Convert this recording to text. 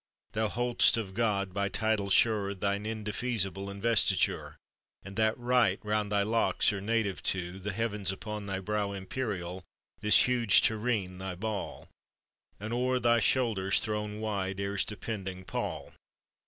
Thou hold'st of God, by title sure, Thine indefeasible investiture, And that right round thy locks are native to; The heavens upon thy brow imperial, This huge terrene thy ball, And o'er thy shoulders thrown wide air's depending pall.